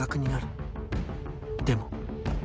でも